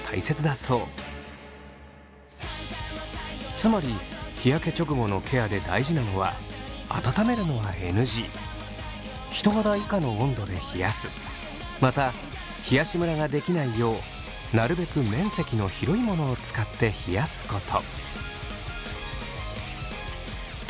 つまり日焼け直後のケアで大事なのは温めるのはＮＧ人肌以下の温度で冷やすまた冷やしムラができないようなるべく面積の広いものを使って冷やすこと。